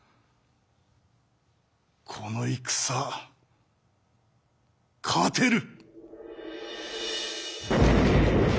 この戦勝てる！